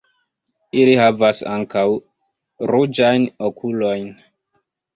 Ili havas ankaŭ ruĝajn okulojn.